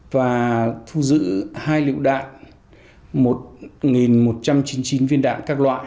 và thu giữ hai liệu đạn một nghìn một trăm chín mươi chín viên đạn các loại